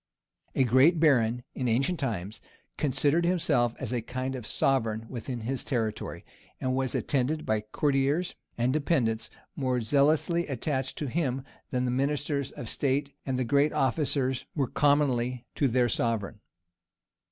A great baron, in ancient times, considered himself as a kind of sovereign within his territory; and was attended by courtiers and dependants more zealously attached to him than the ministers of state and the great officers were commonly o their sovereign.